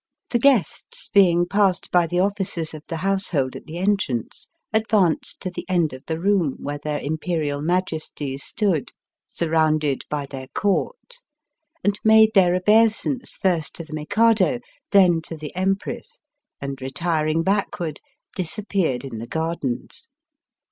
The guests, being passed by the officers of the household at the entrance, advanced to the end of the room where their Imperial Majesties stood surrounded by their Digitized by VjOOQIC THE mikado's bibthday f^te. 231 Court, and made their obeisance first to the Mikado, then to the Empress, and retiring backward, disappeared in the gardens.